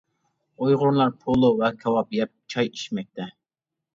ئۇيغۇرلار پولۇ ۋە كاۋاپ يەپ، چاي ئىچىشمەكتە.